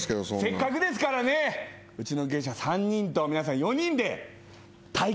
せっかくですからねうちの芸者３人と皆さん４人で対決をしていただきたい。